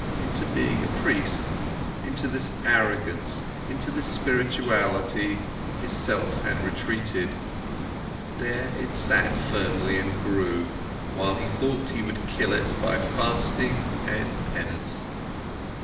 Into being a priest, into this arrogance, into this spirituality, his self had retreated, there it sat firmly and grew, while he thought he would kill it by fasting and penance.